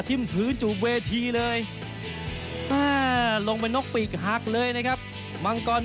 พื้นจูบเวทีเลยลงไปนกปีกหักเลยนะครับมังกร